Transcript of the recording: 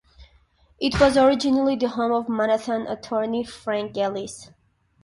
It was originally the home of Manhattan attorney Frank Ellis.